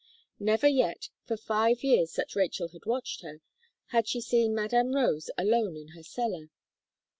Never yet, for five years that Rachel had watched her, had she seen Madame Rose alone in her cellar.